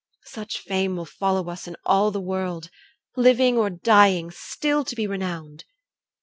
Such fame will follow us in all the world. Living or dying, still to be renowned.